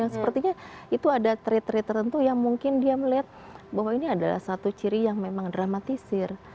sepertinya itu ada trade trade tertentu yang mungkin dia melihat bahwa ini adalah satu ciri yang memang dramatisir